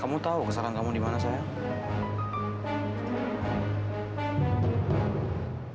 kamu tahu kesalahan kamu di mana saya